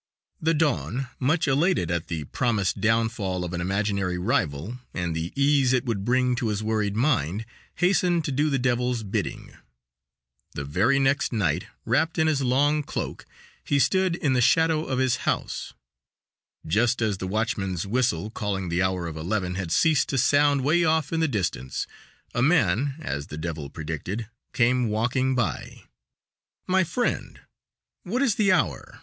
The don, much elated at the promised downfall of an imaginary rival, and the ease it would bring to his worried mind, hastened to do the devil's bidding; the very next night, wrapped in his long cloak, he stood in the shadow of his house; just as the watchman's whistle, calling the hour of eleven, had ceased to sound way off in the distance, a man, as the devil predicted, came walking by. "My friend, what is the hour?"